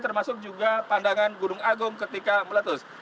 termasuk juga pandangan gunung agung ketika meletus